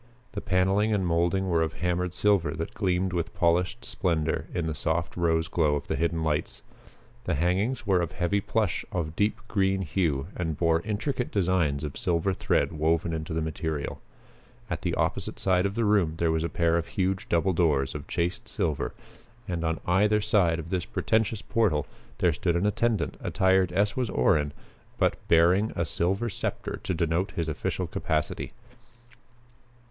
The paneling and mouldings were of hammered silver that gleamed with polished splendor in the soft rose glow of the hidden lights. The hangings were of heavy plush of deep green hue and bore intricate designs of silver thread woven into the material. At the opposite side of the room there was a pair of huge double doors of chased silver and on either side of this pretentious portal there stood an attendant attired as was Orrin, but bearing a silver scepter to denote his official capacity.